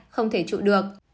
không thể trụ được